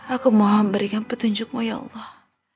aku mohon berikan petunjukmu ya allah